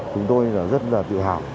chúng tôi là rất là tự hào